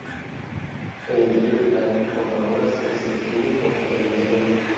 El interior es blanco, con ranuras que se extienden por todo el interior.